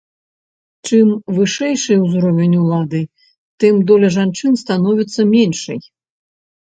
Чым вышэйшы ўзровень улады, тым доля жанчын становіцца меншай.